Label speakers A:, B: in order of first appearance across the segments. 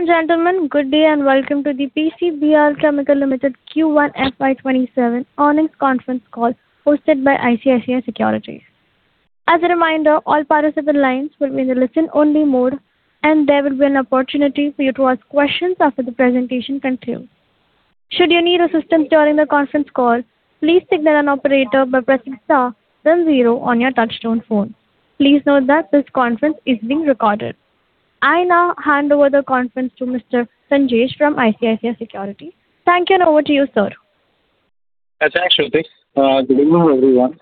A: Ladies and gentlemen, good day and welcome to the PCBL Chemical Limited Q1 FY 2027 earnings conference call hosted by ICICI Securities. As a reminder, all participants' lines will be in the listen only mode, there will be an opportunity for you to ask questions after the presentation concludes. Should you need assistance during the conference call, please signal an operator by pressing star then zero on your touchtone phone. Please note that this conference is being recorded. I now hand over the conference to Mr. Sanjesh from ICICI Securities. Thank you, over to you, sir.
B: Thanks, Shruti. Good evening, everyone.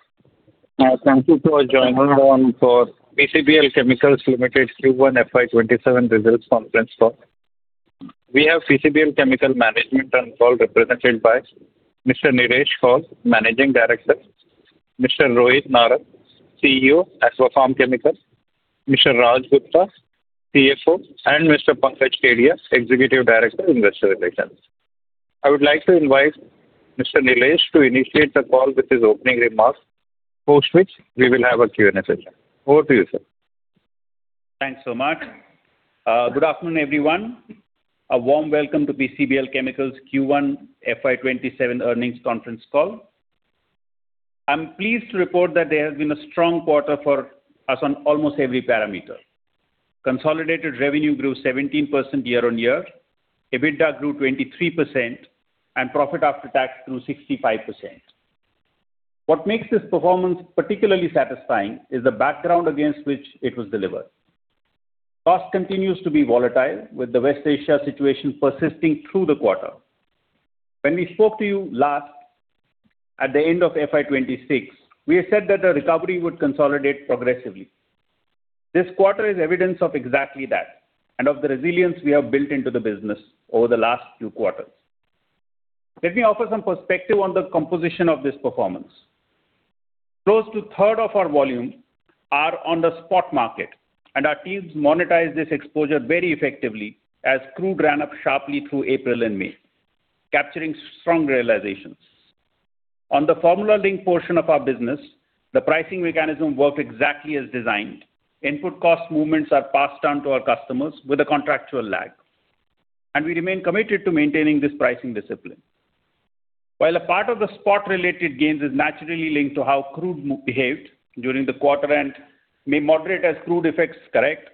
B: Thank you for joining me on for PCBL Chemical Limited Q1 FY 2027 results conference call. We have PCBL Chemical management on call represented by Mr. Nilesh Koul, Managing Director, Mr. Rohit Narang, CEO, Aquapharm Chemical, Mr. Raj Gupta, CFO, and Mr. Pankaj Kedia, Executive Director, Investor Relations. I would like to invite Mr. Nilesh to initiate the call with his opening remarks, post which we will have a Q&A session. Over to you, sir.
C: Thanks so much. Good afternoon, everyone. A warm welcome to PCBL Chemical Q1 FY 2027 earnings conference call. I'm pleased to report that there has been a strong quarter for us on almost every parameter. Consolidated revenue grew 17% year-on-year, EBITDA grew 23%, and profit after tax grew 65%. What makes this performance particularly satisfying is the background against which it was delivered. Cost continues to be volatile, with the West Asia situation persisting through the quarter. When we spoke to you last, at the end of FY 2026, we said that the recovery would consolidate progressively. This quarter is evidence of exactly that and of the resilience we have built into the business over the last few quarters. Let me offer some perspective on the composition of this performance. Close to a third of our volume are on the spot market, and our teams monetize this exposure very effectively as crude ran up sharply through April and May, capturing strong realizations. On the formula link portion of our business, the pricing mechanism worked exactly as designed. Input cost movements are passed on to our customers with a contractual lag. We remain committed to maintaining this pricing discipline. While a part of the spot-related gains is naturally linked to how crude behaved during the quarter and may moderate as crude effects correct,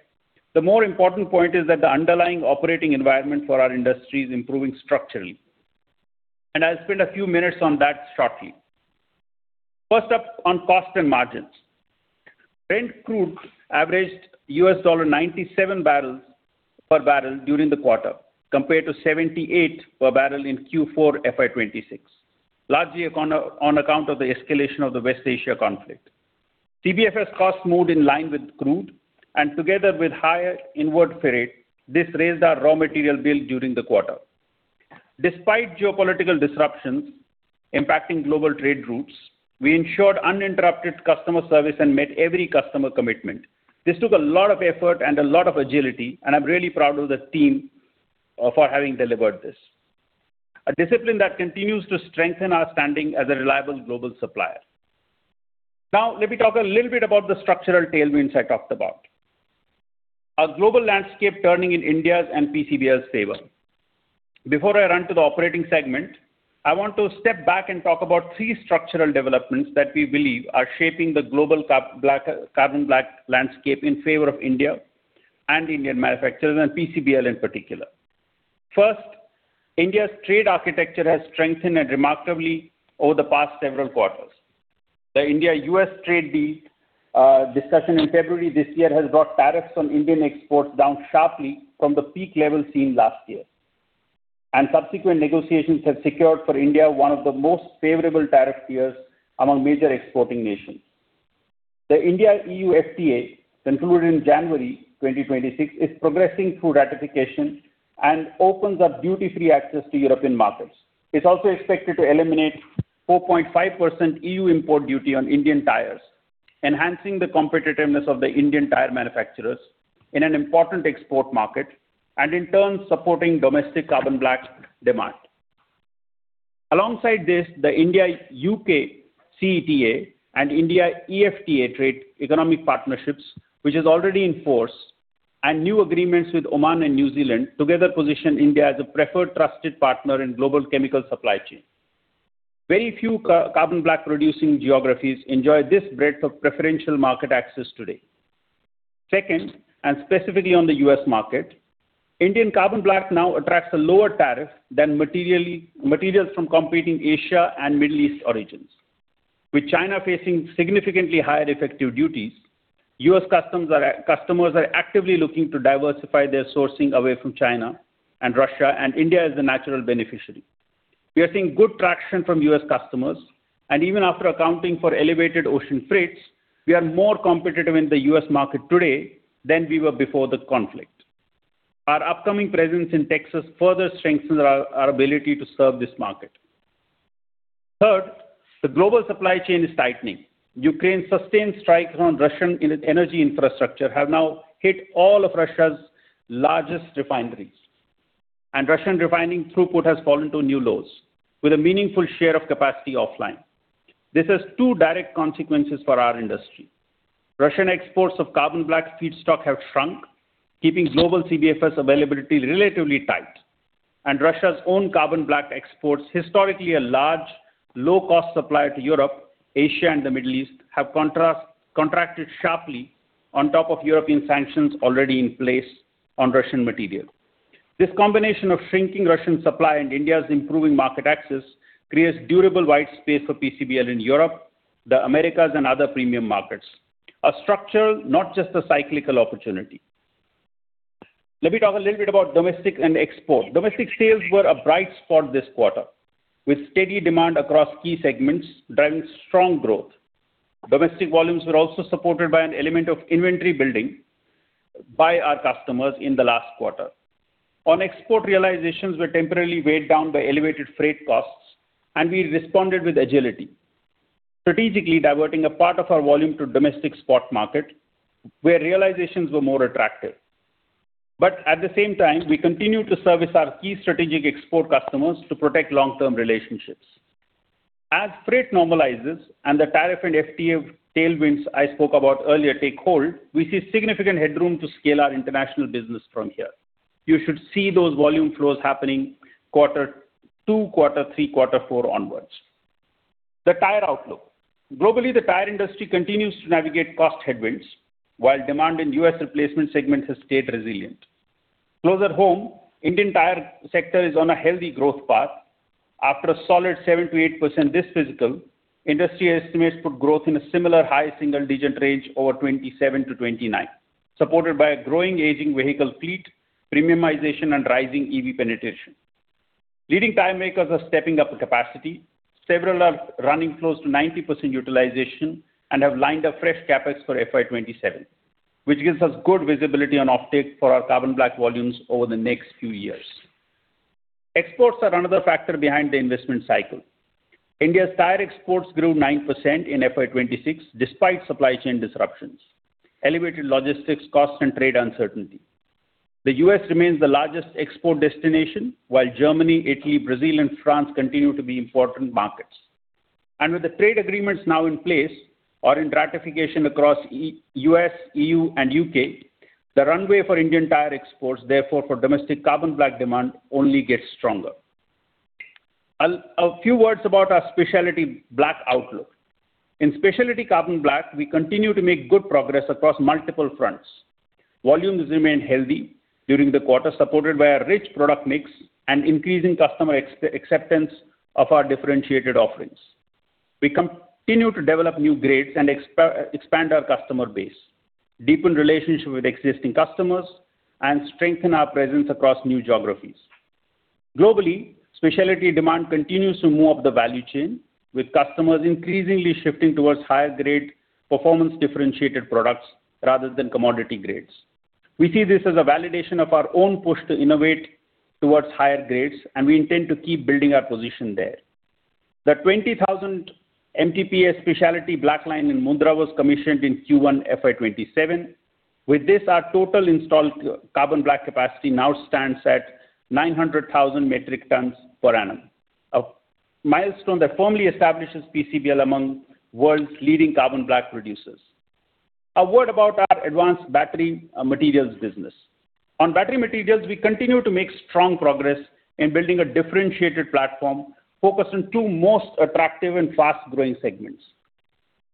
C: the more important point is that the underlying operating environment for our industry is improving structurally. I'll spend a few minutes on that shortly. First up on cost and margins. Brent crude averaged $97 per bbl during the quarter, compared to $78 per bbl in Q4 FY 2026, largely on account of the escalation of the West Asia conflict. CBFS costs moved in line with crude, and together with higher inward freight, this raised our raw material bill during the quarter. Despite geopolitical disruptions impacting global trade routes, we ensured uninterrupted customer service and met every customer commitment. This took a lot of effort and a lot of agility, and I'm really proud of the team for having delivered this, a discipline that continues to strengthen our standing as a reliable global supplier. Let me talk a little bit about the structural tailwinds I talked about. A global landscape turning in India's and PCBL's favor. Before I run to the operating segment, I want to step back and talk about three structural developments that we believe are shaping the global carbon black landscape in favor of India and Indian manufacturers, and PCBL in particular. First, India's trade architecture has strengthened remarkably over the past several quarters. The India-U.S. trade deal discussion in February this year has brought tariffs on Indian exports down sharply from the peak levels seen last year, and subsequent negotiations have secured for India one of the most favorable tariff tiers among major exporting nations. The India-EU FTA, concluded in January 2026, is progressing through ratification and opens up duty-free access to European markets. It's also expected to eliminate 4.5% EU import duty on Indian tires, enhancing the competitiveness of the Indian tire manufacturers in an important export market and in turn supporting domestic carbon black demand. Alongside this, the India-U.K. CETA and India EFTA trade economic partnerships, which is already in force, new agreements with Oman and New Zealand together position India as a preferred trusted partner in global chemical supply chain. Very few carbon black producing geographies enjoy this breadth of preferential market access today. Second, specifically on the U.S. market, Indian carbon black now attracts a lower tariff than materials from competing Asia and Middle East origins. With China facing significantly higher effective duties, U.S. customers are actively looking to diversify their sourcing away from China and Russia. India is the natural beneficiary. We are seeing good traction from U.S. customers, even after accounting for elevated ocean freights, we are more competitive in the U.S. market today than we were before the conflict. Our upcoming presence in Texas further strengthens our ability to serve this market. Third, the global supply chain is tightening. Ukraine's sustained strikes on Russian energy infrastructure have now hit all of Russia's largest refineries. Russian refining throughput has fallen to new lows with a meaningful share of capacity offline. This has two direct consequences for our industry. Russian exports of carbon black feedstock have shrunk, keeping global CBFS availability relatively tight. Russia's own carbon black exports, historically a large, low-cost supply to Europe, Asia, and the Middle East, have contracted sharply on top of European sanctions already in place on Russian material. This combination of shrinking Russian supply and India's improving market access creates durable white space for PCBL in Europe, the Americas, and other premium markets. A structural, not just a cyclical opportunity. Let me talk a little bit about domestic and export. Domestic sales were a bright spot this quarter, with steady demand across key segments driving strong growth. Domestic volumes were also supported by an element of inventory building by our customers in the last quarter. On export, realizations were temporarily weighed down by elevated freight costs, and we responded with agility. Strategically diverting a part of our volume to domestic spot market, where realizations were more attractive. At the same time, we continued to service our key strategic export customers to protect long-term relationships. As freight normalizes and the tariff and FTA tailwinds I spoke about earlier take hold, we see significant headroom to scale our international business from here. You should see those volume flows happening quarter two, quarter three, quarter four onwards. The tire outlook. Globally, the tire industry continues to navigate cost headwinds, while demand in U.S. replacement segments has stayed resilient. Closer to home, Indian tire sector is on a healthy growth path. After a solid 78% this fiscal, industry estimates put growth in a similar high single-digit range over 2027 to 2029, supported by a growing aging vehicle fleet, premiumization, and rising EV penetration. Leading tire makers are stepping up the capacity. Several are running close to 90% utilization and have lined up fresh CapEx for FY 2027, which gives us good visibility on offtake for our carbon black volumes over the next few years. Exports are another factor behind the investment cycle. India's tire exports grew 9% in FY 2026 despite supply chain disruptions, elevated logistics costs, and trade uncertainty. The U.S. remains the largest export destination, while Germany, Italy, Brazil, and France continue to be important markets. With the trade agreements now in place or in ratification across U.S., E.U., and U.K., the runway for Indian tire exports, therefore for domestic carbon black demand, only gets stronger. A few words about our specialty black outlook. In specialty carbon black, we continue to make good progress across multiple fronts. Volumes remain healthy during the quarter, supported by a rich product mix and increasing customer acceptance of our differentiated offerings. We continue to develop new grades and expand our customer base, deepen relationship with existing customers, and strengthen our presence across new geographies. Globally, specialty demand continues to move up the value chain, with customers increasingly shifting towards higher grade, performance differentiated products rather than commodity grades. We see this as a validation of our own push to innovate towards higher grades, and we intend to keep building our position there. The 20,000 MTPA specialty black line in Mundra was commissioned in Q1 FY 2027. With this, our total installed carbon black capacity now stands at 900,000 metric tons per annum. A milestone that firmly establishes PCBL among world's leading carbon black producers. A word about our advanced battery materials business. On battery materials, we continue to make strong progress in building a differentiated platform focused on two most attractive and fast-growing segments,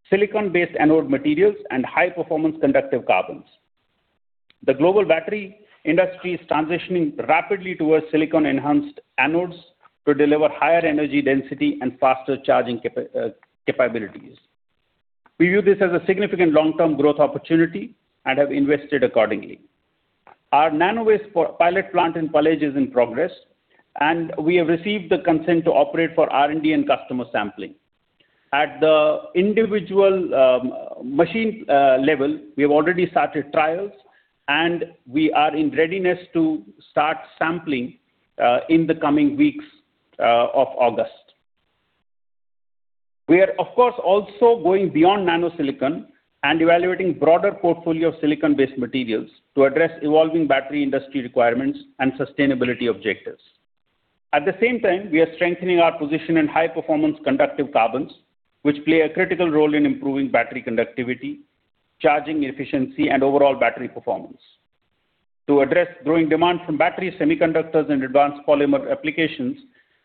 C: silicon-based anode materials and high-performance conductive carbons. The global battery industry is transitioning rapidly towards silicon-enhanced anodes to deliver higher energy density and faster charging capabilities. We view this as a significant long-term growth opportunity and have invested accordingly. Our Nanovace pilot plant in Palej is in progress, and we have received the consent to operate for R&D and customer sampling. At the individual machine level, we have already started trials, and we are in readiness to start sampling in the coming weeks of August. We are, of course, also going beyond nanosilicon and evaluating broader portfolio of silicon-based materials to address evolving battery industry requirements and sustainability objectives. At the same time, we are strengthening our position in high-performance conductive carbons, which play a critical role in improving battery conductivity, charging efficiency, and overall battery performance. To address growing demand from battery semiconductors and advanced polymer applications,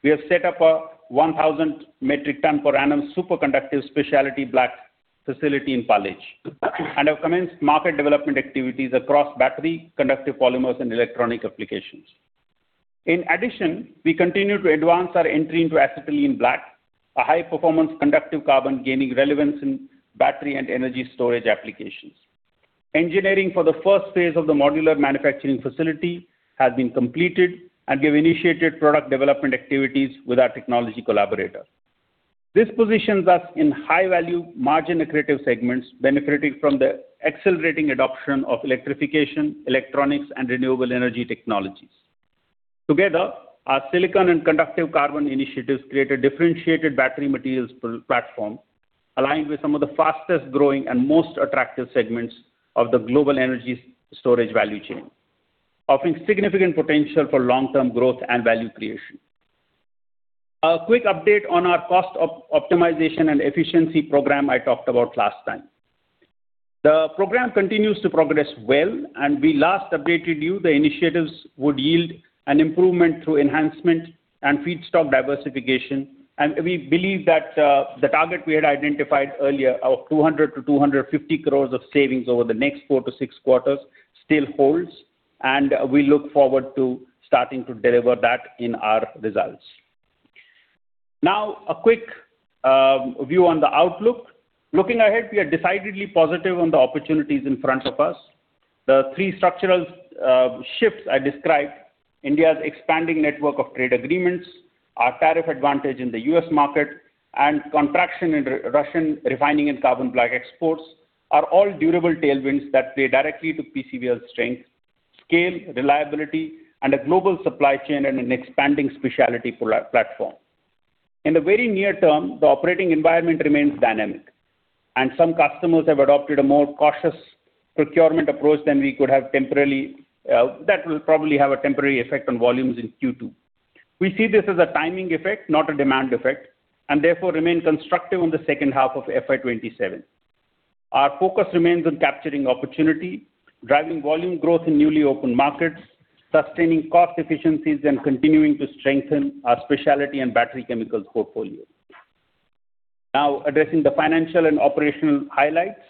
C: we have set up a 1,000 metric ton per annum superconductive specialty black facility in Palej and have commenced market development activities across battery conductive polymers and electronic applications. We continue to advance our entry into acetylene black, a high-performance conductive carbon gaining relevance in battery and energy storage applications. Engineering for the first phase of the modular manufacturing facility has been completed, we've initiated product development activities with our technology collaborator. This positions us in high-value, margin-accretive segments, benefiting from the accelerating adoption of electrification, electronics, and renewable energy technologies. Together, our silicon and conductive carbon initiatives create a differentiated battery materials platform Aligned with some of the fastest-growing and most attractive segments of the global energy storage value chain, offering significant potential for long-term growth and value creation. A quick update on our cost optimization and efficiency program I talked about last time. The program continues to progress well, we last updated you the initiatives would yield an improvement through enhancement and feedstock diversification. We believe that the target we had identified earlier of 200 crore-250 crore of savings over the next four to six quarters still holds, we look forward to starting to deliver that in our results. A quick view on the outlook. Looking ahead, we are decidedly positive on the opportunities in front of us. The three structural shifts I described, India's expanding network of trade agreements, our tariff advantage in the U.S. market, contraction in Russian refining and carbon black exports, are all durable tailwinds that play directly to PCBL's strength, scale, reliability, a global supply chain and an expanding specialty platform. The operating environment remains dynamic, some customers have adopted a more cautious procurement approach that will probably have a temporary effect on volumes in Q2. We see this as a timing effect, not a demand effect, therefore remain constructive on the second half of FY 2027. Our focus remains on capturing opportunity, driving volume growth in newly opened markets, sustaining cost efficiencies, and continuing to strengthen our specialty and battery chemicals portfolio. Addressing the financial and operational highlights.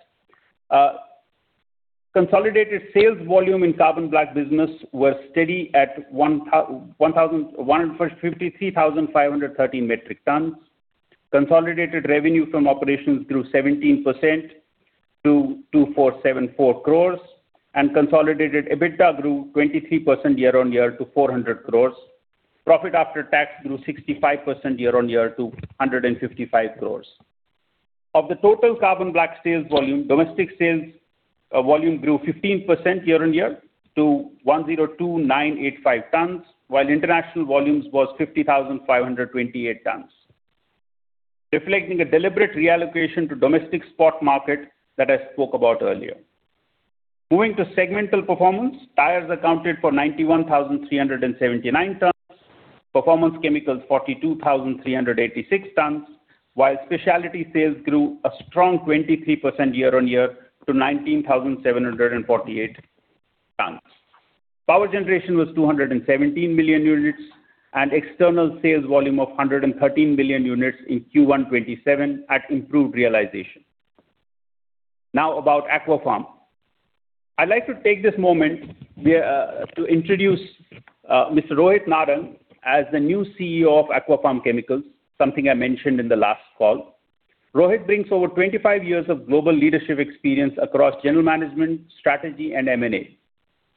C: Consolidated sales volume in carbon black business was steady at 153,530 metric tons. Consolidated revenue from operations grew 17% to 2,474 crore, consolidated EBITDA grew 23% year-on-year to 400 crore. Profit after tax grew 65% year-on-year to 155 crore. Of the total carbon black sales volume, domestic sales volume grew 15% year-on-year to 102,985 tons, while international volumes was 50,528 tons, reflecting a deliberate reallocation to domestic spot market that I spoke about earlier. Moving to segmental performance, tires accounted for 91,379 tons, performance chemicals 42,386 tons, while specialty sales grew a strong 23% year-on-year to 19,748 tons. Power generation was 217 million units and external sales volume of 113 million units in Q1 FY 2027 at improved realization. Now about Aquapharm. I'd like to take this moment to introduce Mr. Rohit Narang as the new CEO of Aquapharm Chemical, something I mentioned in the last call. Rohit brings over 25 years of global leadership experience across general management, strategy, and M&A.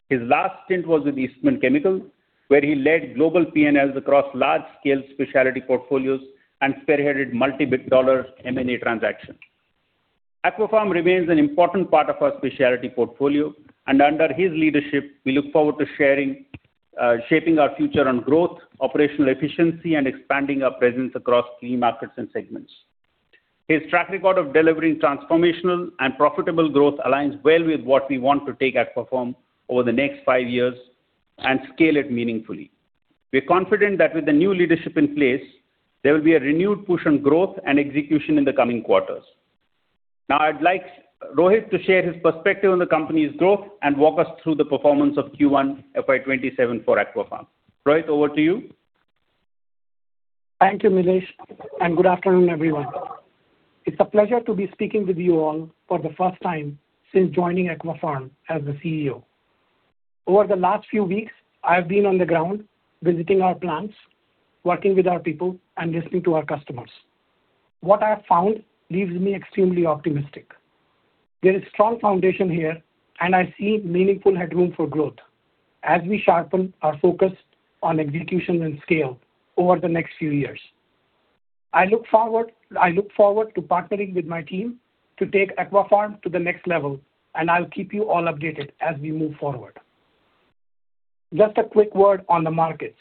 C: His last stint was with Eastman Chemical, where he led global P&Ls across large-scale specialty portfolios and spearheaded multi-billion dollar M&A transactions. Aquapharm remains an important part of our specialty portfolio, and under his leadership, we look forward to shaping our future on growth, operational efficiency, and expanding our presence across key markets and segments. His track record of delivering transformational and profitable growth aligns well with what we want to take Aquapharm over the next five years and scale it meaningfully. We're confident that with the new leadership in place, there will be a renewed push on growth and execution in the coming quarters. I'd like Rohit to share his perspective on the company's growth and walk us through the performance of Q1 FY 2027 for Aquapharm. Rohit, over to you.
D: Thank you, Nilesh, and good afternoon, everyone. It's a pleasure to be speaking with you all for the first time since joining Aquapharm as the CEO. Over the last few weeks, I've been on the ground visiting our plants, working with our people, and listening to our customers. What I have found leaves me extremely optimistic. There is strong foundation here, and I see meaningful headroom for growth as we sharpen our focus on execution and scale over the next few years. I look forward to partnering with my team to take Aquapharm to the next level, and I'll keep you all updated as we move forward. Just a quick word on the markets.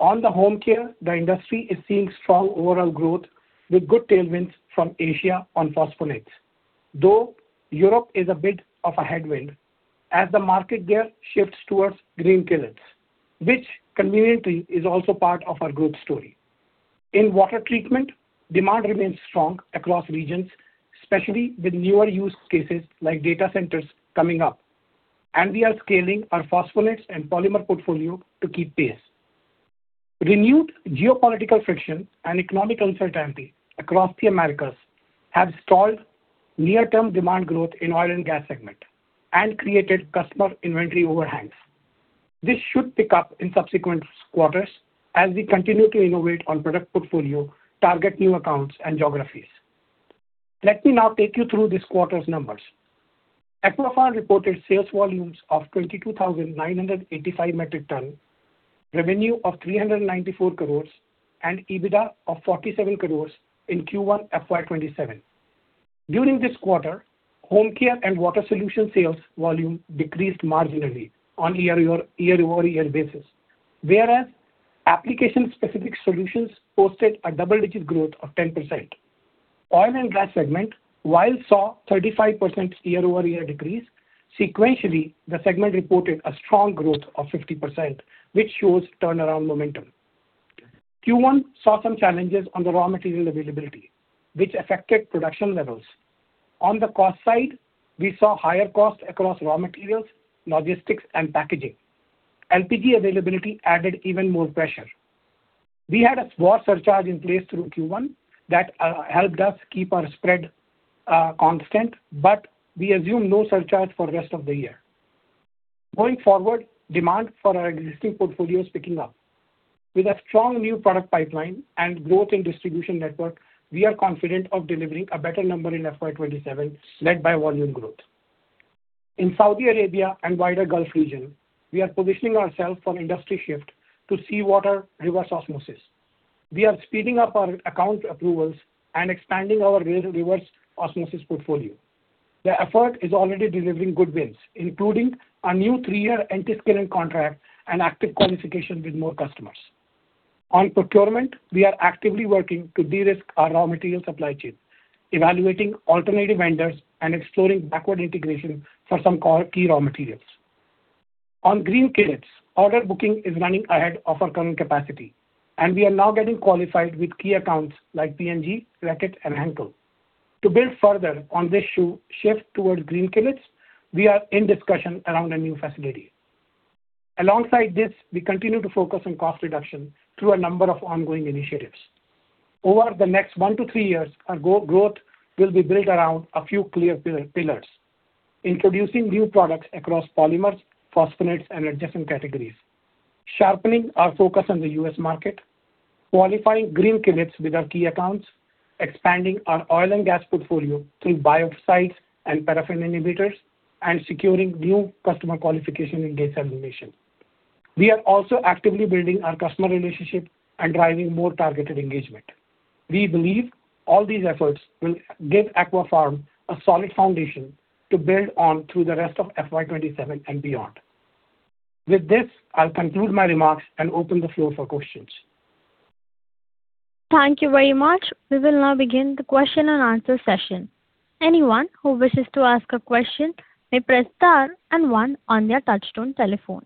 D: On the home care, the industry is seeing strong overall growth with good tailwinds from Asia on phosphonates. Europe is a bit of a headwind as the market there shifts towards green chelates, which conveniently is also part of our group's story. In water treatment, demand remains strong across regions, especially with newer use cases like data centers coming up, and we are scaling our phosphonates and polymer portfolio to keep pace. Renewed geopolitical friction and economic uncertainty across the Americas have stalled near-term demand growth in oil and gas segment and created customer inventory overhangs. This should pick up in subsequent quarters as we continue to innovate on product portfolio, target new accounts, and geographies. Let me now take you through this quarter's numbers. Aquapharm reported sales volumes of 22,985 metric tons, revenue of 394 crores, and EBITDA of 47 crores in Q1 FY 2027. During this quarter, home care and water solution sales volume decreased marginally on year-over-year basis. Whereas application-specific solutions posted a double-digit growth of 10%. Oil and gas segment, while saw 35% year-over-year decrease, sequentially, the segment reported a strong growth of 50%, which shows turnaround momentum. Q1 saw some challenges on the raw material availability, which affected production levels. On the cost side, we saw higher costs across raw materials, logistics, and packaging. LPG availability added even more pressure. We had a raw surcharge in place through Q1 that helped us keep our spread constant, but we assume no surcharge for rest of the year. Going forward, demand for our existing portfolio is picking up. With a strong new product pipeline and growth in distribution network, we are confident of delivering a better number in FY 2027, led by volume growth. In Saudi Arabia and wider Gulf region, we are positioning ourself for industry shift to seawater reverse osmosis. We are speeding up our account approvals and expanding our reverse osmosis portfolio. The effort is already delivering good wins, including a new three-year anti-scaling contract and active qualification with more customers. On procurement, we are actively working to de-risk our raw material supply chain, evaluating alternative vendors and exploring backward integration for some key raw materials. On green chelates, order booking is running ahead of our current capacity, and we are now getting qualified with key accounts like P&G, Reckitt, and Henkel. To build further on this shift towards green chelates, we are in discussion around a new facility. Alongside this, we continue to focus on cost reduction through a number of ongoing initiatives. Over the next one to three years, our growth will be built around a few clear pillars. Introducing new products across polymers, phosphonates, and adjacent categories. Sharpening our focus on the U.S. market. Qualifying green chelates with our key accounts. Expanding our oil and gas portfolio through biocides and paraffin inhibitors, and securing new customer qualification in desalination. We are also actively building our customer relationship and driving more targeted engagement. We believe all these efforts will give Aquapharm a solid foundation to build on through the rest of FY 2027 and beyond. With this, I'll conclude my remarks and open the floor for questions.
A: Thank you very much. We will now begin the question and answer session. Anyone who wishes to ask a question may press star and one on their touchtone telephone.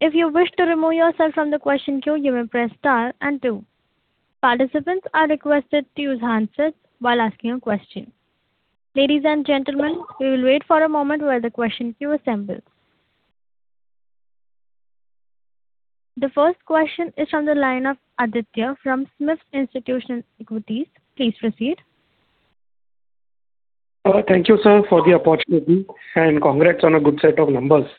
A: If you wish to remove yourself from the question queue, you may press star and two. Participants are requested to use handsets while asking a question. Ladies and gentlemen, we will wait for a moment while the question queue assembles. The first question is from the line of Aditya from SMIFS Institutional Equities. Please proceed.
E: Thank you, sir, for the opportunity, and congrats on a good set of numbers.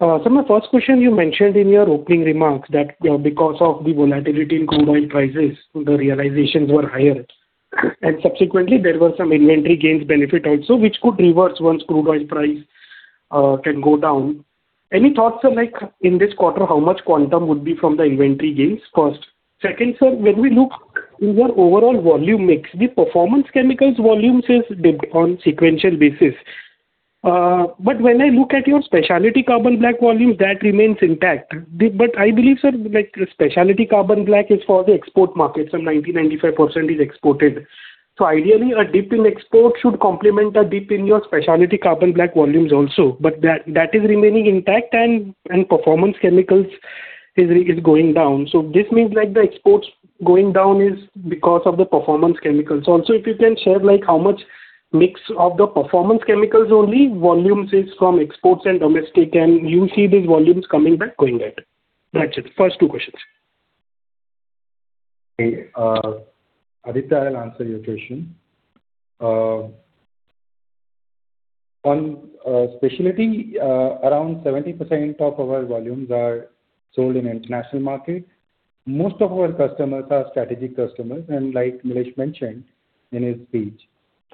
E: Sir, my first question, you mentioned in your opening remarks that because of the volatility in crude oil prices, the realizations were higher, and subsequently, there were some inventory gains benefit also, which could reverse once crude oil price can go down. Any thoughts, sir, like in this quarter, how much quantum would be from the inventory gains first? Second, sir, when we look in your overall volume mix, the performance chemicals volume says dip on sequential basis. When I look at your specialty carbon black volume, that remains intact. I believe, sir, like specialty carbon black is for the export market, so 90%-95% is exported. Ideally, a dip in export should complement a dip in your specialty carbon black volumes also, but that is remaining intact and performance chemicals is going down. This means like the exports going down is because of the performance chemicals also. If you can share how much mix of the performance chemicals only volumes is from exports and domestic, and you see these volumes coming back going ahead. That's it. First two questions.
F: Okay. Aditya, I'll answer your question. On specialty, around 70% of our volumes are sold in international market. Most of our customers are strategic customers, and like Nilesh mentioned in his speech,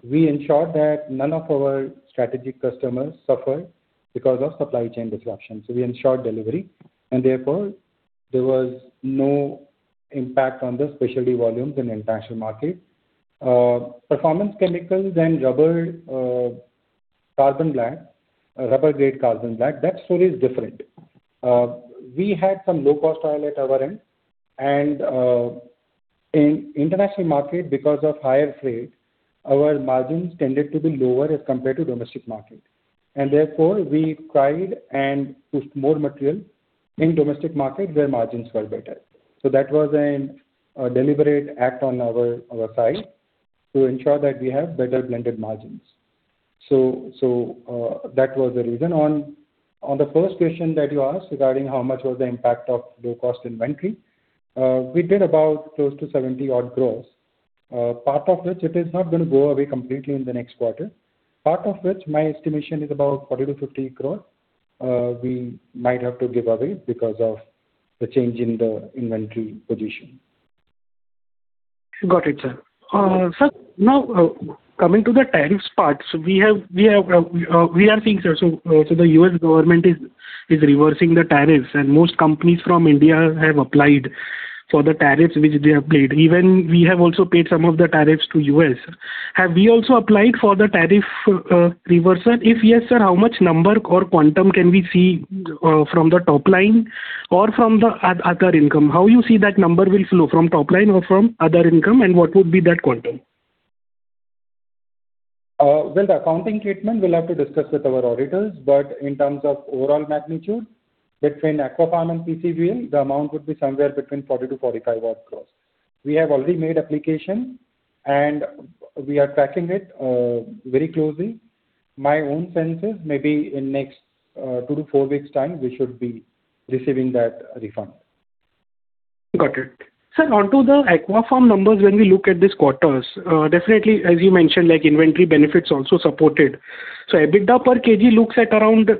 F: we ensured that none of our strategic customers suffered because of supply chain disruptions. We ensured delivery, and therefore, there was no impact on the specialty volumes in international market. Performance chemicals and rubber grade carbon black, that story is different. We had some low-cost oil at our end, and in international market, because of higher freight, our margins tended to be lower as compared to domestic market. Therefore, we tried and pushed more material in domestic market where margins were better. That was a deliberate act on our side to ensure that we have better blended margins. That was the reason. On the first question that you asked regarding how much was the impact of low-cost inventory, we did about close to 70 odd crore. Part of which it is not going to go away completely in the next quarter. Part of which my estimation is about 40 crore-50 crore, we might have to give away because of the change in the inventory position.
E: Got it, sir. Sir, now coming to the tariffs part, the U.S. government is reversing the tariffs, and most companies from India have applied for the tariffs which they have paid. Even we have also paid some of the tariffs to U.S. Have we also applied for the tariff reversal? If yes, sir, how much number or quantum can we see from the top line or from the other income? How you see that number will flow, from top line or from other income, and what would be that quantum?
F: Well, the accounting treatment we'll have to discuss with our auditors, but in terms of overall magnitude, between Aquapharm and PCBL, the amount would be somewhere between 40 crore-45 crore. We have already made application, and we are tracking it very closely. My own sense is maybe in next two to four weeks time, we should be receiving that refund.
E: Got it. Sir, onto the Aquapharm numbers when we look at these quarters. Definitely as you mentioned, inventory benefits also supported. EBITDA per kg looks at around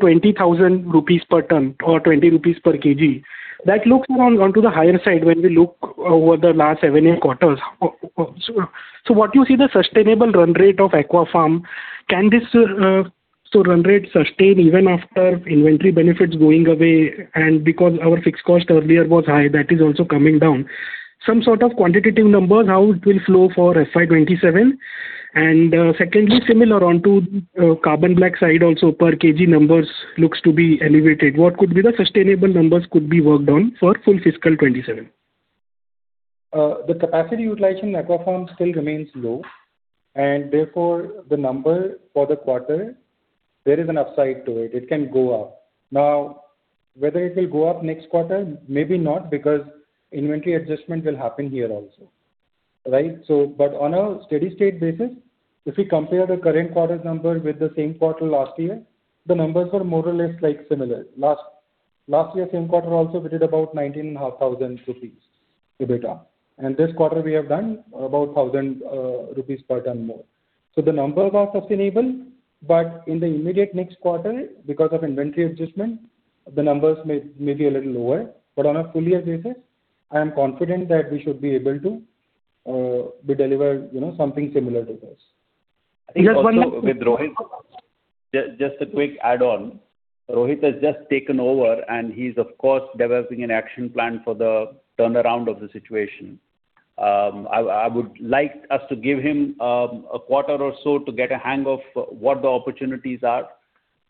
E: 20,000 rupees per ton or 20 rupees per kg. That looks more onto the higher side when we look over the last seven, eight quarters. What you see the sustainable run rate of Aquapharm, can this run rate sustain even after inventory benefits going away and because our fixed cost earlier was high, that is also coming down. Some sort of quantitative numbers, how it will flow for FY 2027. Secondly, similar onto carbon black side also per kg numbers looks to be elevated. What could be the sustainable numbers could be worked on for full fiscal 2027?
F: The capacity utilization in Aquapharm still remains low, therefore the number for the quarter, there is an upside to it. It can go up. Now, whether it will go up next quarter, maybe not, because inventory adjustment will happen here also, right? On a steady state basis, if we compare the current quarter's number with the same quarter last year, the numbers were more or less similar. Last year same quarter also we did about 19,500 rupees EBITDA. This quarter we have done about 1,000 rupees per ton more. The numbers are sustainable, but in the immediate next quarter, because of inventory adjustment, the numbers may be a little lower. On a full-year basis, I am confident that we should be able to deliver something similar to this.
E: Just one last.
C: With Rohit, just a quick add-on. Rohit has just taken over and he's of course developing an action plan for the turnaround of the situation. I would like us to give him a quarter or so to get a hang of what the opportunities are,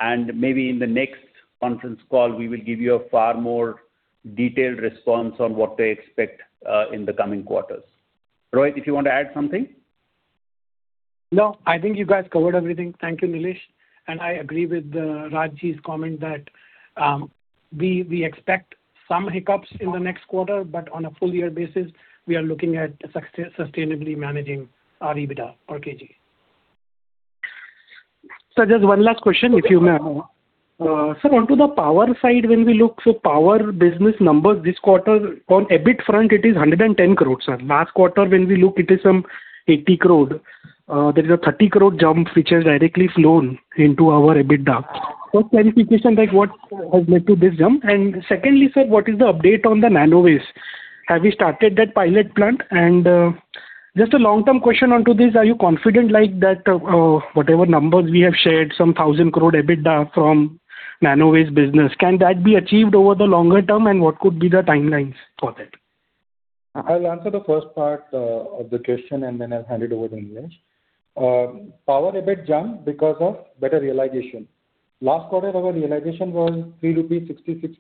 C: and maybe in the next conference call, we will give you a far more detailed response on what to expect in the coming quarters. Rohit, if you want to add something.
D: No, I think you guys covered everything. Thank you, Nilesh. I agree with Raj's comment that we expect some hiccups in the next quarter, but on a full-year basis, we are looking at sustainably managing our EBITDA per kg.
E: Sir, just one last question, if you may.
F: Okay.
E: Sir, onto the power side when we look, power business numbers this quarter on EBIT front it is 110 crore. Last quarter when we look it is some 80 crore. There is a 30 crore jump which has directly flown into our EBITDA. First clarification what has led to this jump and secondly sir what is the update on the Nanovace? Have you started that pilot plant? Just a long-term question onto this, are you confident that whatever numbers we have shared, some 1,000 crore EBITDA from Nanovace business, can that be achieved over the longer term and what could be the timelines for that?
F: I'll answer the first part of the question and then I'll hand it over to Nilesh. Power EBIT jump because of better realization. Last quarter our realization was 3.66 rupees,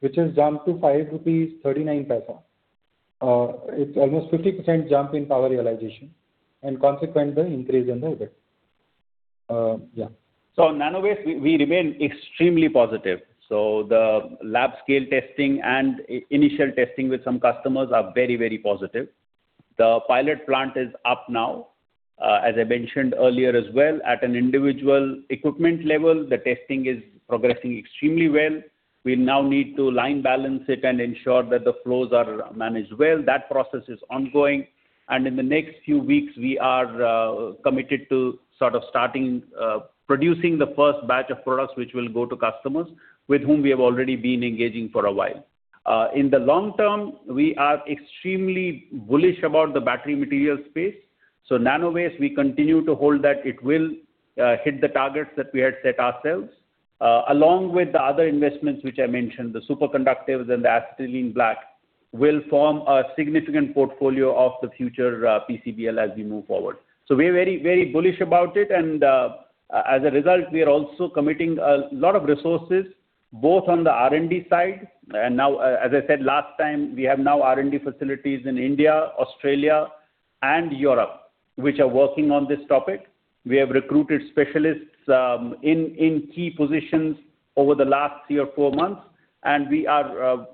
F: which has jumped to 5.39 rupees. It's almost 50% jump in power realization and consequent the increase in the EBIT.
C: Nanovace, we remain extremely positive. The lab scale testing and initial testing with some customers are very positive. The pilot plant is up now. As I mentioned earlier as well, at an individual equipment level, the testing is progressing extremely well. We now need to line balance it and ensure that the flows are managed well. That process is ongoing and in the next few weeks we are committed to sort of starting producing the first batch of products which will go to customers with whom we have already been engaging for a while. In the long term, we are extremely bullish about the battery material space. Nanovace, we continue to hold that it will hit the targets that we had set ourselves. Along with the other investments which I mentioned, the superconductives and the acetylene black will form a significant portfolio of the future PCBL as we move forward. We are very bullish about it and as a result, we are also committing a lot of resources both on the R&D side and now, as I said last time, we have now R&D facilities in India, Australia and Europe, which are working on this topic. We have recruited specialists in key positions over the last three or four months and we are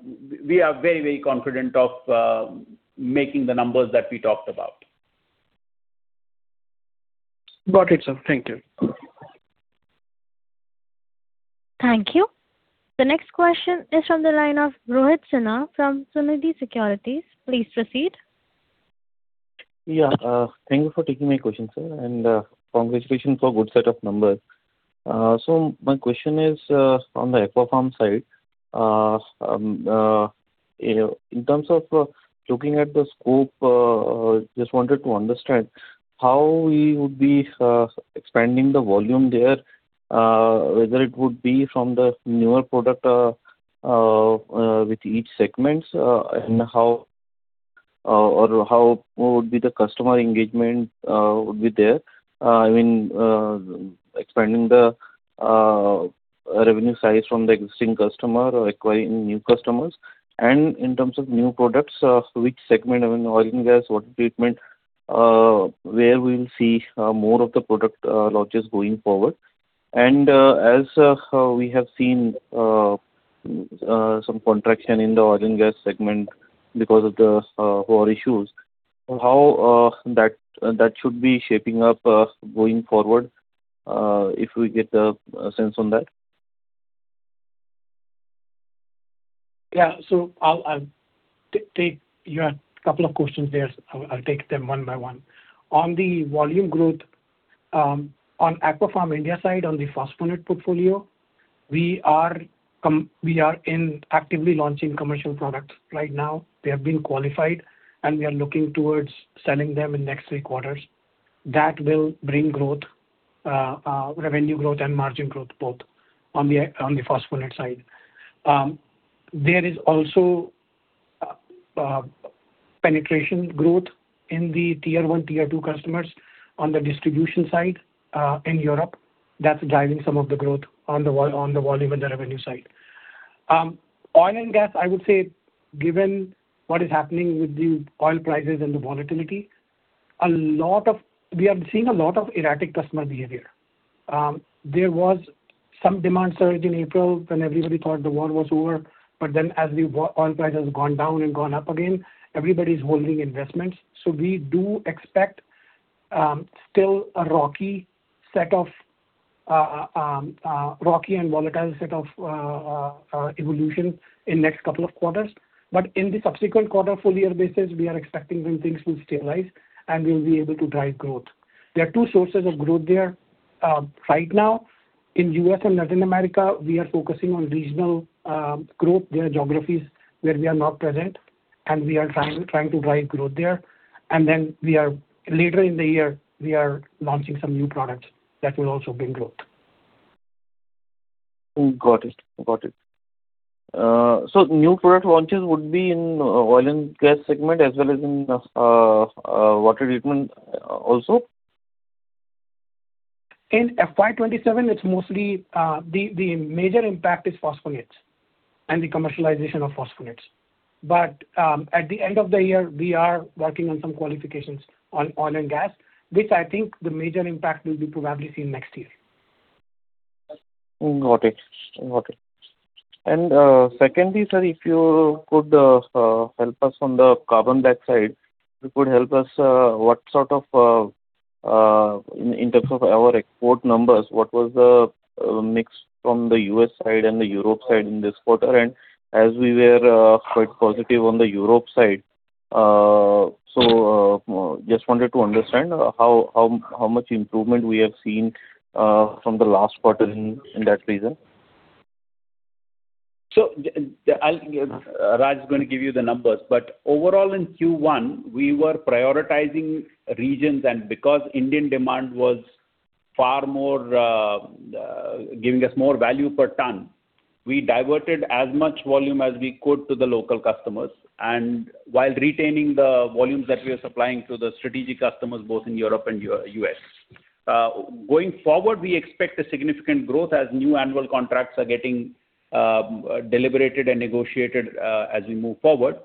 C: very confident of making the numbers that we talked about.
E: Got it, sir. Thank you.
A: Thank you. The next question is from the line of Rohit Sinha from Sunidhi Securities. Please proceed.
G: Thank you for taking my question, sir, and congratulations for good set of numbers. My question is on the Aquapharm side. In terms of looking at the scope, just wanted to understand how we would be expanding the volume there? Whether it would be from the newer product with each segment, or how would be the customer engagement would be there, expanding the revenue size from the existing customer or acquiring new customers. In terms of new products, which segment, I mean, oil and gas, water treatment, where we will see more of the product launches going forward. As we have seen some contraction in the oil and gas segment because of the war issues. How that should be shaping up going forward, if we get a sense on that.
D: You had couple of questions there. I'll take them one by one. On the volume growth, on Aquapharm India side, on the phosphate portfolio, we are actively launching commercial products right now. They have been qualified, and we are looking towards selling them in next three quarters. That will bring revenue growth and margin growth both on the phosphate side. There is also penetration growth in the Tier 1, Tier 2 customers on the distribution side in Europe, that's driving some of the growth on the volume and the revenue side. Oil and gas, I would say, given what is happening with the oil prices and the volatility, we have seen a lot of erratic customer behavior. There was some demand surge in April when everybody thought the war was over, but as the oil price has gone down and gone up again, everybody's holding investments. We do expect still a rocky and volatile set of evolution in next couple of quarters. In the subsequent quarter, full-year basis, we are expecting when things will stabilize, and we will be able to drive growth. There are two sources of growth there. Right now in U.S. and Latin America, we are focusing on regional growth. There are geographies where we are not present, and we are trying to drive growth there. Later in the year, we are launching some new products that will also bring growth.
G: Got it. New product launches would be in oil and gas segment as well as in water treatment also?
D: In FY 2027, the major impact is phosphonates and the commercialization of phosphonates. At the end of the year, we are working on some qualifications on oil and gas, which I think the major impact will be probably seen next year.
G: Got it. Secondly, sir, if you could help us on the carbon black. If you could help us, in terms of our export numbers, what was the mix from the U.S. side and the Europe side in this quarter? As we were quite positive on the Europe side, just wanted to understand how much improvement we have seen from the last quarter in that region.
C: Raj is going to give you the numbers, but overall in Q1, we were prioritizing regions. Because Indian demand was giving us more value per ton, we diverted as much volume as we could to the local customers, while retaining the volumes that we are supplying to the strategic customers both in Europe and U.S. Going forward, we expect a significant growth as new annual contracts are getting deliberated and negotiated as we move forward.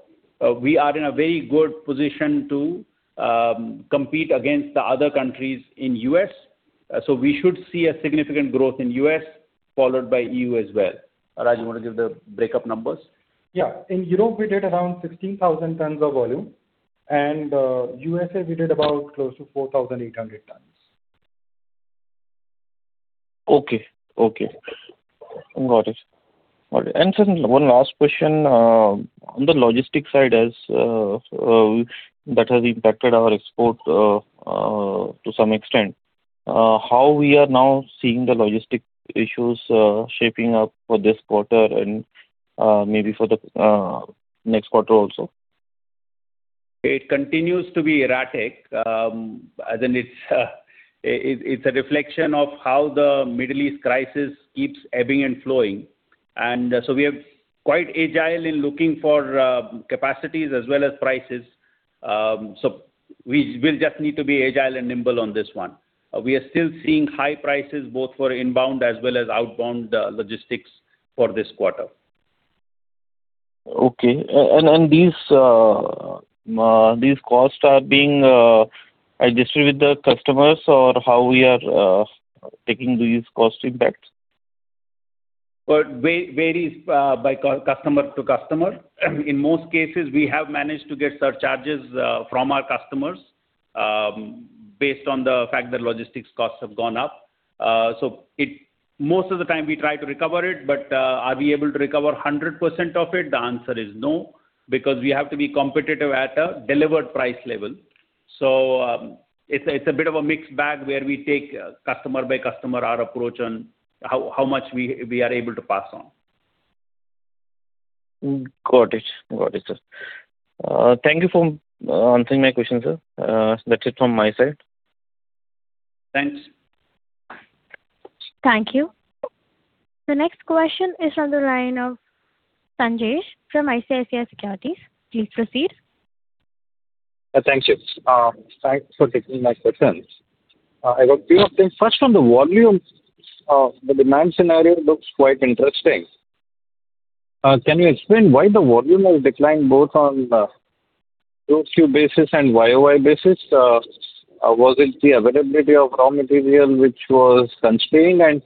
C: We are in a very good position to compete against the other countries in U.S., so we should see a significant growth in U.S. followed by EU as well. Raj, you want to give the breakup numbers?
F: Yeah. In Europe, we did around 16,000 tons of volume, and U.S. we did about close to 4,800 tons.
G: Okay. Got it. Sir, one last question. On the logistics side, as that has impacted our export to some extent, how we are now seeing the logistics issues shaping up for this quarter and maybe for the next quarter also?
C: It continues to be erratic. It's a reflection of how the Middle East crisis keeps ebbing and flowing. So we are quite agile in looking for capacities as well as prices. We'll just need to be agile and nimble on this one. We are still seeing high prices both for inbound as well as outbound logistics for this quarter.
G: Okay. These costs are being distributed with the customers or how we are taking these cost impacts?
C: Varies by customer to customer. In most cases, we have managed to get surcharges from our customers based on the fact that logistics costs have gone up. Most of the time we try to recover it, but are we able to recover 100% of it? The answer is no, because we have to be competitive at a delivered price level. It's a bit of a mixed bag where we take customer by customer our approach on how much we are able to pass on.
G: Got it, sir. Thank you for answering my question, sir. That's it from my side.
C: Thanks.
A: Thank you. The next question is on the line of Sanjesh from ICICI Securities. Please proceed.
B: Thank you. Thanks for taking my questions. I've a few of them. First, on the volumes, the demand scenario looks quite interesting. Can you explain why the volume has declined both on QoQ basis and YoY basis? Was it the availability of raw material which was constrained?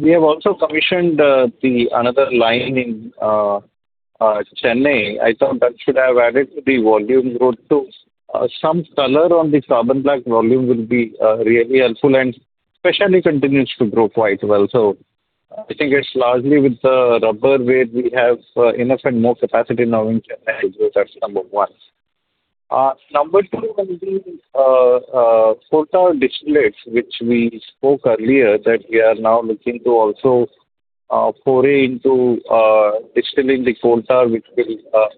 B: We have also commissioned another line in Chennai. I thought that should have added to the volume growth too. Some color on the carbon black volume will be really helpful and especially continues to grow quite well. I think it's largely with the rubber where we have enough and more capacity now in Chennai. That's number one. Number two would be, coal tar distillates, which we spoke earlier, that we are now looking to also foray into distilling the coal tar, which will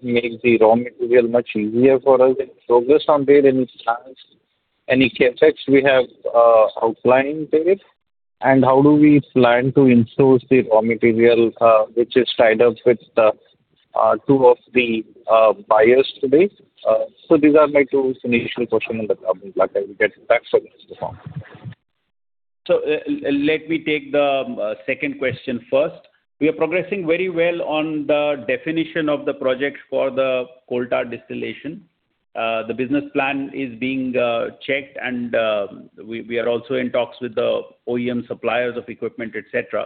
B: make the raw material much easier for us. Any progress on that? Any plans, any CapEx we have outlined there? How do we plan to in-source the raw material, which is tied up with two of the buyers today? These are my two initial questions on the carbon black. I will get back shortly.
C: Let me take the second question first. We are progressing very well on the definition of the project for the coal tar distillation. The business plan is being checked, and we are also in talks with the OEM suppliers of equipment, et cetera.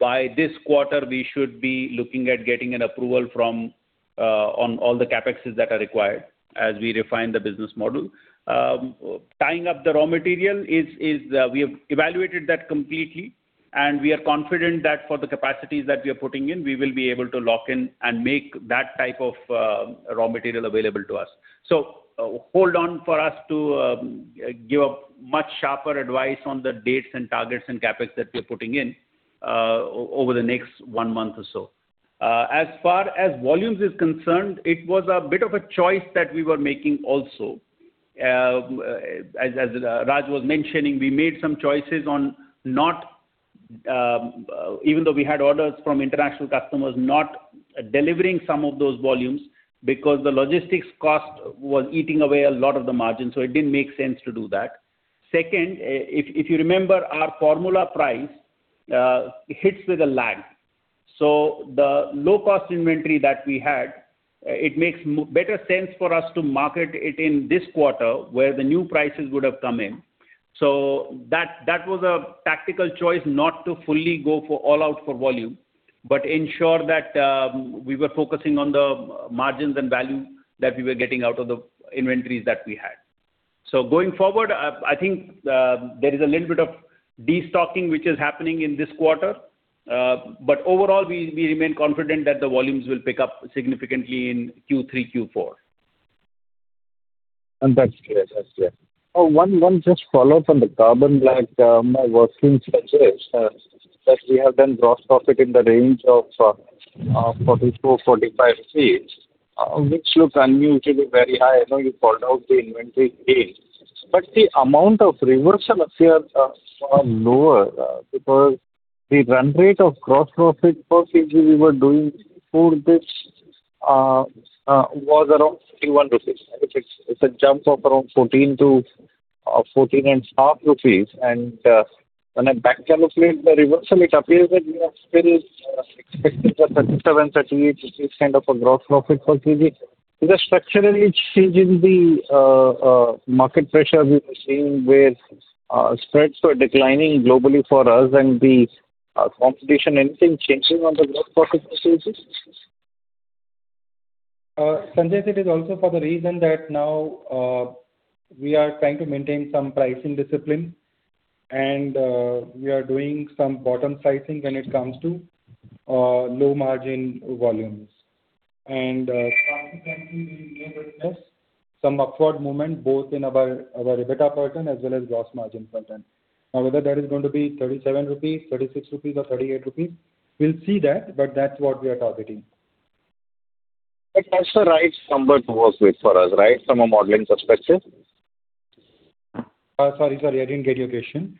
C: By this quarter, we should be looking at getting an approval on all the CapEx that are required as we refine the business model. Tying up the raw material, we have evaluated that completely, and we are confident that for the capacities that we are putting in, we will be able to lock in and make that type of raw material available to us. Hold on for us to give a much sharper advice on the dates and targets and CapEx that we're putting in over the next one month or so. As far as volumes is concerned, it was a bit of a choice that we were making also. As Raj was mentioning, we made some choices on, even though we had orders from international customers, not delivering some of those volumes because the logistics cost was eating away a lot of the margin, so it didn't make sense to do that. Second, if you remember, our formula price hits with a lag. The low-cost inventory that we had, it makes better sense for us to market it in this quarter where the new prices would have come in. That was a tactical choice not to fully go all out for volume, but ensure that we were focusing on the margins and value that we were getting out of the inventories that we had. Going forward, I think there is a little bit of destocking which is happening in this quarter. Overall, we remain confident that the volumes will pick up significantly in Q3, Q4.
B: That's clear. One just follow from the carbon black. My workings suggest that we have done gross profit in the range of 44-45, which look unusually very high. I know you called out the inventory gain. The amount of reversal appear lower because the run rate of gross profit per kg we were doing for us was around 31 rupees. It's a jump of around 14-14.5 rupees. When I back calculate the reversal, it appears that we are still expecting the 37-38 kind of a gross profit per kg. Is there structurally change in the market pressure we are seeing where spreads were declining globally for us and the competition, anything changing on the gross profit percentage?
F: Sanjesh, it is also for the reason that now we are trying to maintain some pricing discipline, we are doing some bottom sizing when it comes to low margin volumes. Consequently, we may witness some upward movement both in our EBITDA portion as well as gross margin portion. Whether that is going to be 37 rupees, 36 rupees or 38 rupees, we'll see that's what we are targeting.
B: That's the right number to work with for us, right? From a modeling perspective.
F: Sorry, I didn't get your question.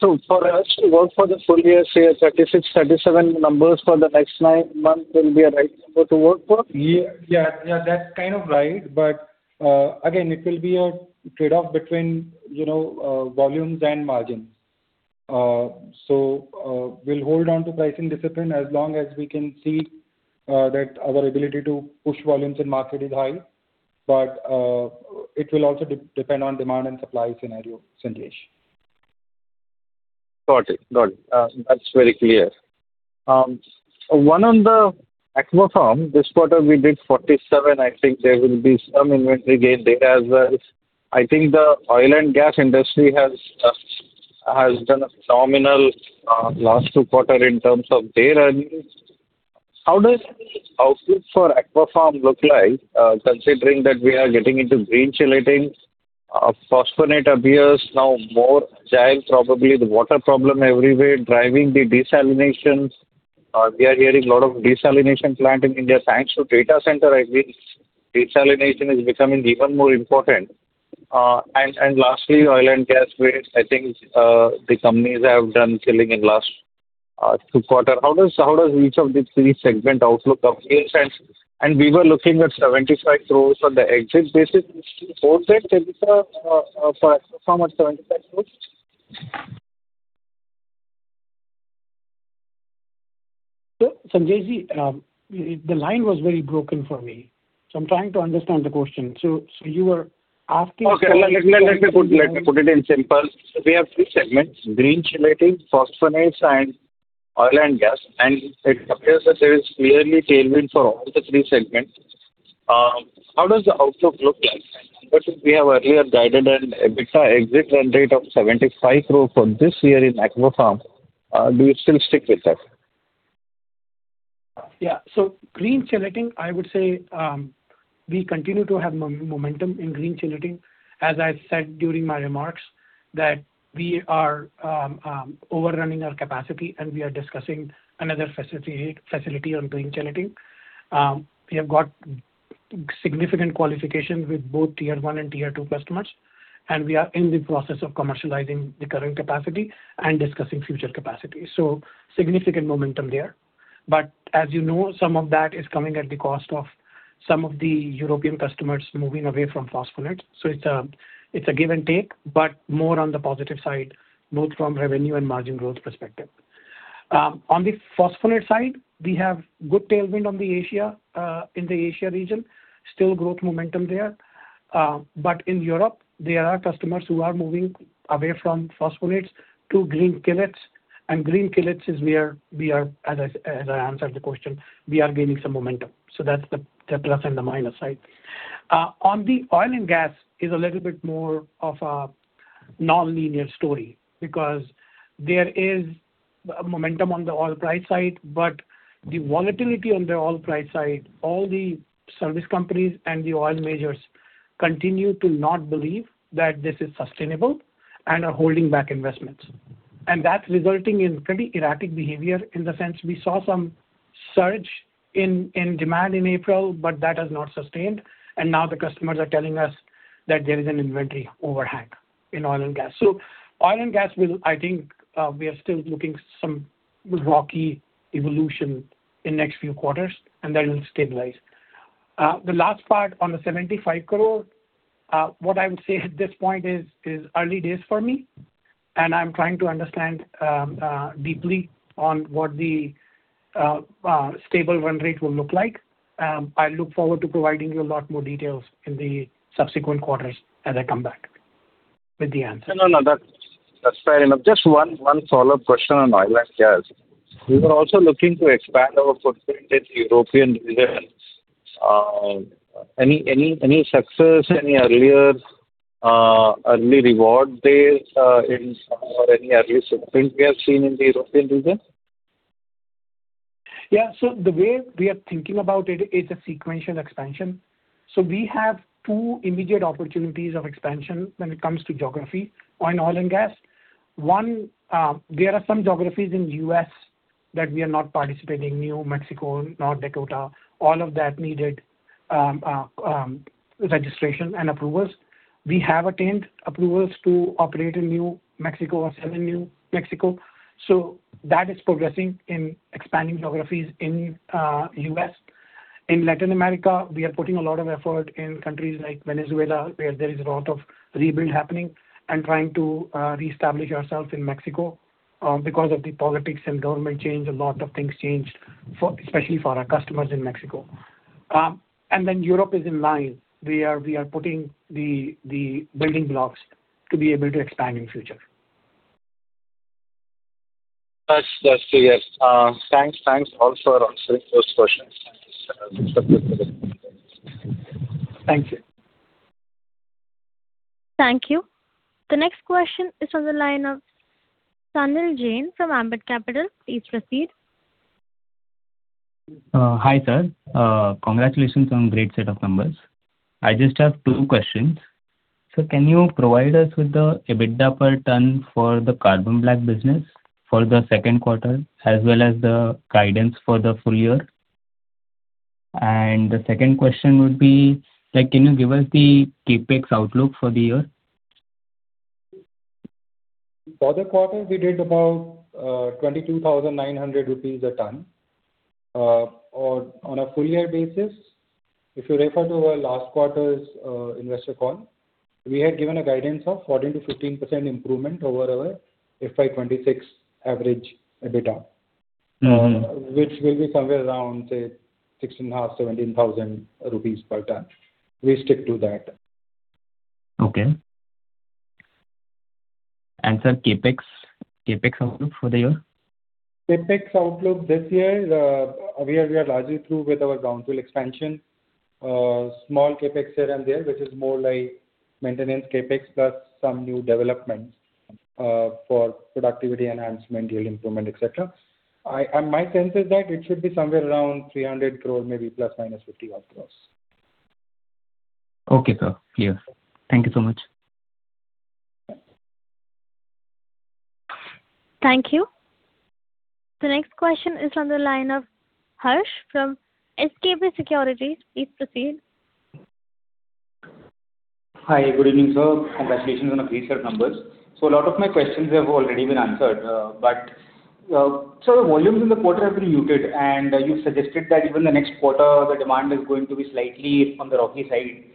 B: For us to work for the full-year, say 36, 37 numbers for the next nine months will be a right number to work for?
F: Yeah, that's kind of right. Again, it will be a trade-off between volumes and margins. We'll hold on to pricing discipline as long as we can see that our ability to push volumes in market is high. It will also depend on demand and supply scenario, Sanjesh.
B: Got it. That's very clear. One on the Aquapharm. This quarter, we did 47. I think there will be some inventory gain there as well. I think the oil and gas industry has done a phenomenal last two quarter in terms of day runs. How does the outlook for Aquapharm look like considering that we are getting into green chelating? Phosphonates appears now more agile, probably the water problem everywhere driving the desalinations. We are hearing a lot of desalination plant in India. Thanks to data center, I believe desalination is becoming even more important. Lastly, oil and gas rates, I think, the companies have done killing in last two quarter. How does each of the three segment outlook appear? We were looking at 75 crores on the exit basis. Do you still hold that, for Aquapharm at INR 75 crores?
D: Sanjesh, the line was very broken for me, so I'm trying to understand the question. You were asking-
B: Okay. Let me put it in simple. We have three segments, green chelates, phosphonates, and oil and gas, and it appears that there is clearly tailwind for all the three segments. How does the outlook look like? I think we have earlier guided an EBITDA exit run rate of 75 crore for this year in Aquapharm. Do you still stick with that?
D: Yeah. Green chelates, I would say, we continue to have momentum in green chelates, as I said during my remarks, that we are overrunning our capacity, and we are discussing another facility on green chelates. We have got significant qualifications with both Tier 1 and Tier 2 customers, and we are in the process of commercializing the current capacity and discussing future capacity. Significant momentum there. As you know, some of that is coming at the cost of some of the European customers moving away from phosphonates. It's a give and take, but more on the positive side, both from revenue and margin growth perspective. On the phosphonates side, we have good tailwind in the Asia region. Still growth momentum there. In Europe, there are customers who are moving away from phosphonates to green chelates. Green chelates is where, as I answered the question, we are gaining some momentum. That's the plus and the minus side. On the oil and gas is a little bit more of a nonlinear story because there is momentum on the oil price side, but the volatility on the oil price side, all the service companies and the oil majors continue to not believe that this is sustainable and are holding back investments. That's resulting in pretty erratic behavior in the sense we saw some surge in demand in April, but that has not sustained, and now the customers are telling us that there is an inventory overhang in oil and gas. Oil and gas will, I think, we are still looking some rocky evolution in next few quarters, and then it'll stabilize. The last part on the 75 crore, what I would say at this point is early days for me, and I'm trying to understand deeply on what the stable run rate will look like. I look forward to providing you a lot more details in the subsequent quarters as I come back with the answer.
B: That's fair enough. Just one follow-up question on oil and gas. We were also looking to expand our footprint in the European region. Any success, any early reward days in some or any early footprint we have seen in the European region?
D: The way we are thinking about it is a sequential expansion. We have two immediate opportunities of expansion when it comes to geography on oil and gas. One, there are some geographies in U.S. that we are not participating, New Mexico, North Dakota, all of that needed registration and approvals. We have attained approvals to operate in New Mexico or sell in New Mexico. That is progressing in expanding geographies in U.S. In Latin America, we are putting a lot of effort in countries like Venezuela, where there is a lot of rebuild happening, and trying to reestablish ourselves in Mexico. Because of the politics and government change, a lot of things changed, especially for our customers in Mexico. Europe is in line. We are putting the building blocks to be able to expand in future.
B: That's clear. Thanks also for answering those questions. Thanks.
D: Thank you.
A: Thank you. The next question is on the line of Sanil Jain from Ambit Capital. Please proceed.
H: Hi, sir. Congratulations on great set of numbers. I just have two questions. Sir, can you provide us with the EBITDA per ton for the carbon black business for the second quarter as well as the guidance for the full-year? The second question would be, can you give us the CapEx outlook for the year?
F: For the quarter, we did about 22,900 rupees a ton. On a full-year basis, if you refer to our last quarter's investor call, we had given a guidance of 14%-15% improvement over our FY 2026 average EBITDA. Which will be somewhere around, say, 16,500-17,000 rupees per ton. We stick to that.
H: Okay. Sir, CapEx outlook for the year?
F: CapEx outlook this year, we are largely through with our Brownfield expansion. Small CapEx here and there, which is more like maintenance CapEx plus some new developments for productivity enhancement, yield improvement, et cetera. My sense is that it should be somewhere around 300 crore, maybe ± 50 odd crore.
H: Okay, sir. Clear. Thank you so much.
A: Thank you. The next question is on the line of Harsh from SKP Securities. Please proceed.
I: Hi. Good evening, sir. Congratulations on the preset numbers. A lot of my questions have already been answered. Sir, the volumes in the quarter have been muted, and you suggested that even the next quarter, the demand is going to be slightly on the rocky side.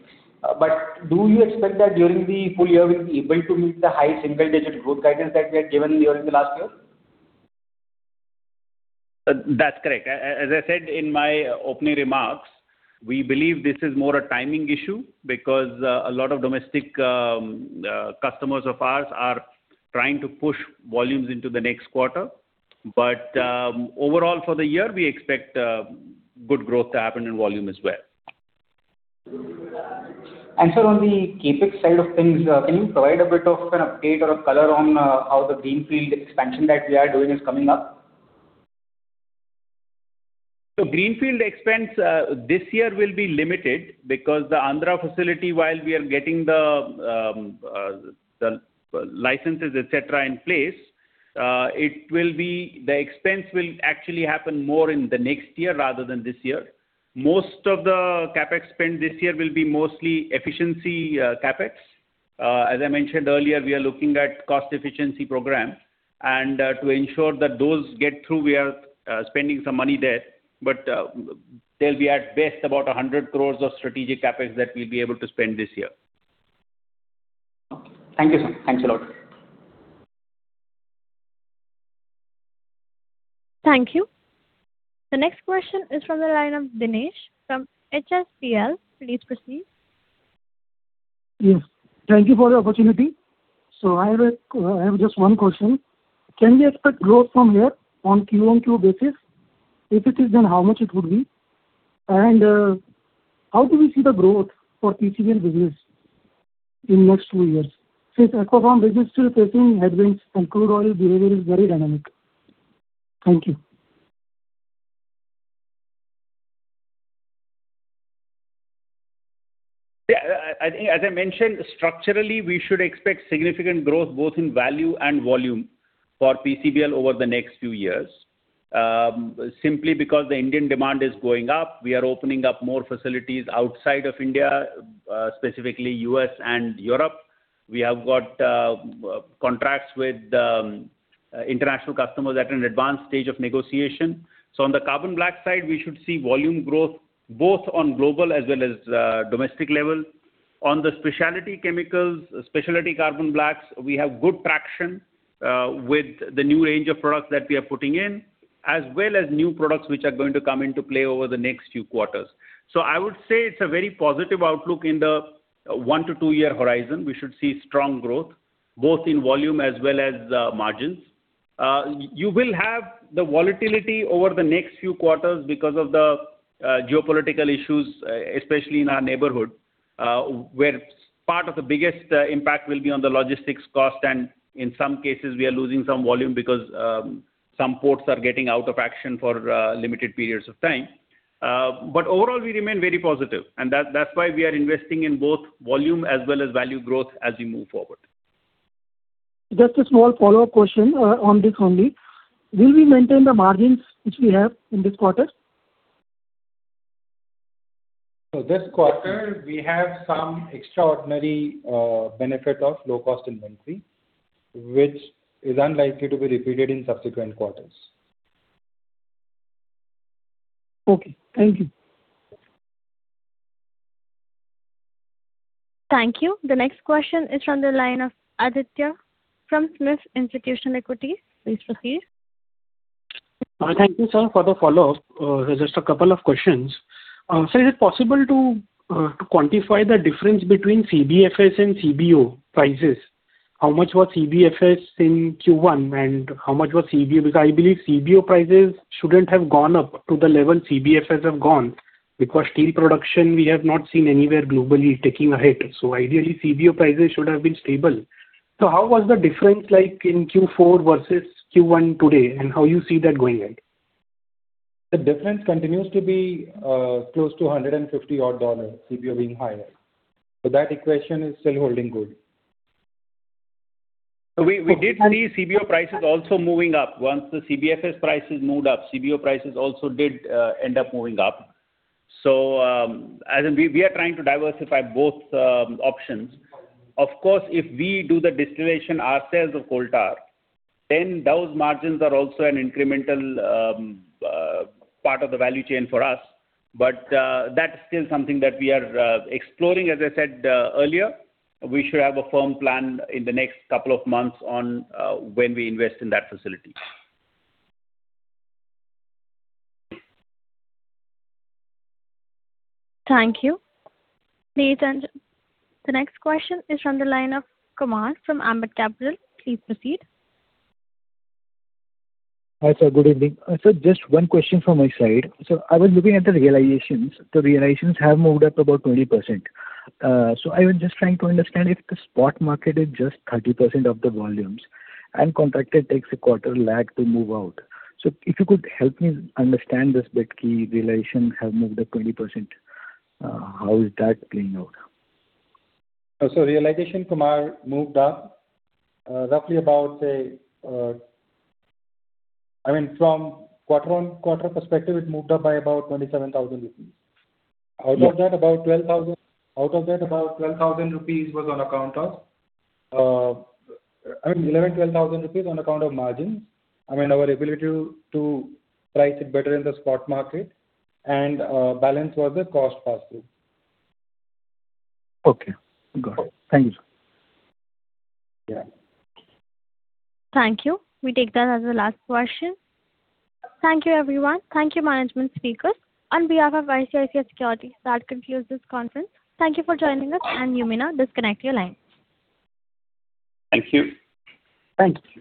I: Do you expect that during the full-year, we'll be able to meet the high single-digit growth guidance that we had given during the last year?
C: That's correct. As I said in my opening remarks, we believe this is more a timing issue because a lot of domestic customers of ours are trying to push volumes into the next quarter. Overall, for the year, we expect good growth to happen in volume as well.
I: Sir, on the CapEx side of things, can you provide a bit of an update or a color on how the greenfield expansion that we are doing is coming up?
C: Greenfield expense this year will be limited because the Andhra facility, while we are getting the licenses, et cetera, in place, the expense will actually happen more in the next year rather than this year. Most of the CapEx spend this year will be mostly efficiency CapEx. As I mentioned earlier, we are looking at cost efficiency program, and to ensure that those get through, we are spending some money there. There'll be, at best, about 100 crores of strategic CapEx that we'll be able to spend this year.
I: Okay. Thank you, sir. Thanks a lot.
A: Thank you. The next question is from the line of Nilesh from HDFC. Please proceed.
J: Yes. Thank you for the opportunity. I have just one question. Can we expect growth from here on Q-on-Q basis? If it is, how much it would be? How do we see the growth for PCBL business in next two years, since Aquapharm business is still facing headwinds and crude oil delivery is very dynamic. Thank you.
C: As I mentioned, structurally, we should expect significant growth both in value and volume for PCBL over the next few years. Simply because the Indian demand is going up, we are opening up more facilities outside of India, specifically U.S. and Europe. We have got contracts with international customers at an advanced stage of negotiation. On the carbon black side, we should see volume growth both on global as well as domestic level. On the specialty chemicals, specialty carbon blacks, we have good traction with the new range of products that we are putting in, as well as new products which are going to come into play over the next few quarters. I would say it's a very positive outlook in the one to two-year horizon. We should see strong growth both in volume as well as margins. You will have the volatility over the next few quarters because of the geopolitical issues, especially in our neighborhood, where part of the biggest impact will be on the logistics cost and in some cases, we are losing some volume because some ports are getting out of action for limited periods of time. Overall, we remain very positive, and that's why we are investing in both volume as well as value growth as we move forward.
J: Just a small follow-up question on this only. Will we maintain the margins which we have in this quarter?
C: This quarter we have some extraordinary benefit of low-cost inventory, which is unlikely to be repeated in subsequent quarters.
J: Okay. Thank you.
A: Thank you. The next question is from the line of Aditya from SMIFS Institutional Equities. Please proceed.
E: Thank you, sir. For the follow-up, just a couple of questions. Sir, is it possible to quantify the difference between CBFS and CBO prices? How much was CBFS in Q1, and how much was CBO? I believe CBO prices shouldn't have gone up to the level CBFS have gone, because steel production we have not seen anywhere globally taking a hit. Ideally, CBO prices should have been stable. How was the difference like in Q4 versus Q1 today, and how you see that going ahead?
C: The difference continues to be close to INR 150 odd, CBO being higher. That equation is still holding good. We did see CBO prices also moving up. Once the CBFS prices moved up, CBO prices also did end up moving up. We are trying to diversify both options. Of course, if we do the distillation ourselves of coal tar, then those margins are also an incremental part of the value chain for us. That's still something that we are exploring. As I said earlier, we should have a firm plan in the next couple of months on when we invest in that facility.
A: Thank you. The next question is on the line of Kumar from Ambit Capital. Please proceed.
K: Hi, sir. Good evening. Sir, just one question from my side. Sir, I was looking at the realizations. The realizations have moved up about 20%. I was just trying to understand if the spot market is just 30% of the volumes and contracted takes a quarter lag to move out. If you could help me understand this bit, key realization has moved up 20%. How is that playing out?
C: Realization, Kumar, moved up roughly about, say from quarter-on-quarter perspective, it moved up by about 27,000 rupees. Out of that, about 12,000 rupees was on account of margin. I mean, our ability to price it better in the spot market, and balance was the cost passes.
K: Okay, got it. Thank you.
C: Yeah.
A: Thank you. We take that as the last question. Thank you, everyone. Thank you, management speakers. On behalf of ICICI Securities, that concludes this conference. Thank you for joining us, and you may now disconnect your line.
C: Thank you.
D: Thank you.